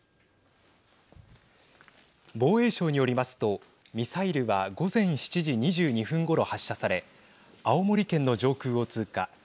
防衛省によりますとミサイルは午前７時２２分ごろ発射され青森県の上空を通過。